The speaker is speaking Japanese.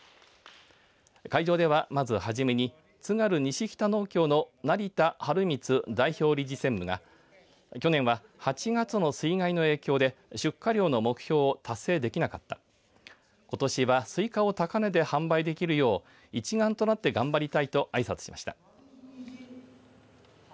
会場では、まずはじめにつがるにしきた農協の成田春光代表理事専務が去年は８月の水害の影響で出荷量の目標を達成できなかったことしはスイカを高値で販売できるよう一丸となって頑張りたいとあいさつしました。